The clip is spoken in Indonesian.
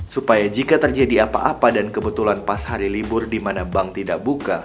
supaya jika terjadi apa apa dan kebetulan pas hari libur di mana bank tidak buka